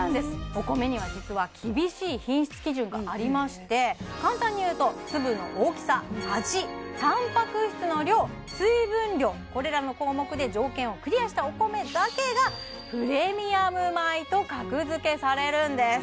お米には実は厳しい品質基準がありまして簡単に言うとこれらの項目で条件をクリアしたお米だけがプレミアム米と格付けされるんです